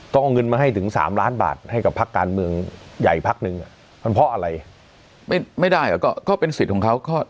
ก็เอาเงินมาให้ถึง๓ล้านบาทให้กับภักการเมืองใหญ่ภาคหนึ่ง